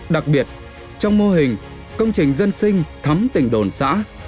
đặc biệt trong mô hình công trình dân sinh thắm tỉnh đồn xã